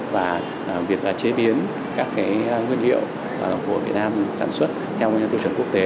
và việc chế biến các nguyên liệu của việt nam sản xuất theo nguyên liệu tiêu chuẩn quốc tế